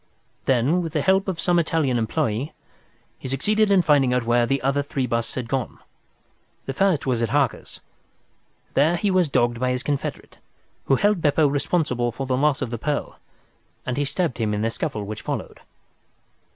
Then, with the help of some Italian employee, he succeeded in finding out where the other three busts had gone. The first was at Harker's. There he was dogged by his confederate, who held Beppo responsible for the loss of the pearl, and he stabbed him in the scuffle which followed."